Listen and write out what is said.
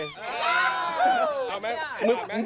พยายามไหม